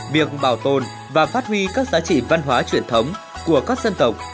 việc bảo tồn và phát huy các giá trị văn hóa truyền thống của các dân tộc